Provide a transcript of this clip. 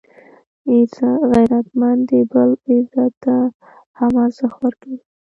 غیرتمند د بل عزت ته هم ارزښت ورکوي